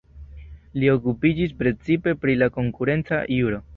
Li okupiĝis precipe pri la konkurenca juro.